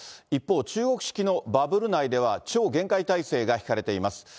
一方、中国式のバブル内では、超厳戒態勢が敷かれています。